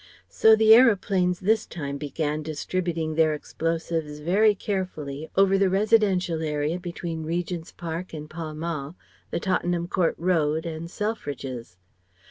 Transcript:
So the aeroplanes this time began distributing their explosives very carefully over the residential area between Regent's Park and Pall Mall, the Tottenham Court Road and Selfridge's.